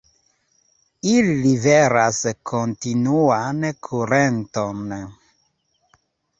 Ili liveras kontinuan kurenton.